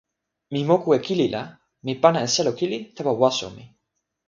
mi moku e kili la mi pana e selo kili tawa waso mi.